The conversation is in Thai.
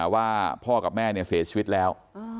ว่าพ่อกับแม่เสียชีวิตแล้ว